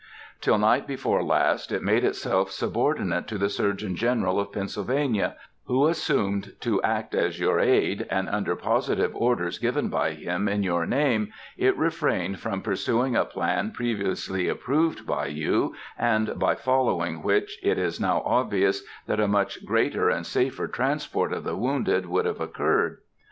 Till night before last it made itself subordinate to the Surgeon General of Pennsylvania, who assumed to act as your aid, and, under positive orders given by him in your name, it refrained from pursuing a plan previously approved by you, and by following which it is now obvious that a much greater and safer transport of the wounded would have occurred.